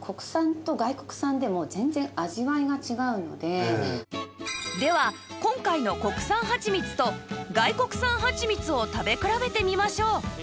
実際では今回の国産はちみつと外国産はちみつを食べ比べてみましょう